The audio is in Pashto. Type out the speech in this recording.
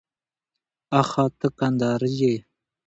آښه ته کندهاری يې؟